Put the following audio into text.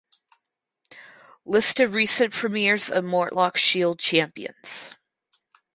List of recent premiers of Mortlock Shield Champions.